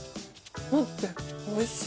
待っておいしい。